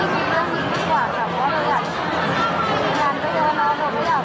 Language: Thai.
เรื่องมีกับภาพศาสตร์มีกับกินกับภาพศาสตร์